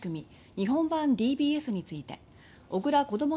「日本版ＤＢＳ」について小倉こども